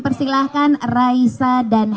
persilahkan raisa dan